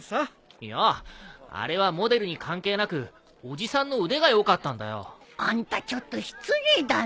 いやああれはモデルに関係なくおじさんの腕が良かったんだよ。あんたちょっと失礼だね。